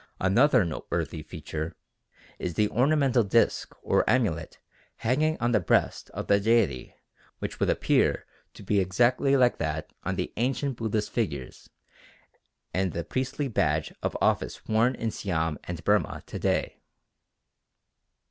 Another noteworthy feature is the ornamental disc or amulet hanging on the breast of the deity which would appear to be exactly like that on the ancient Buddhist figures and the priestly badge of office worn in Siam and Burma to day.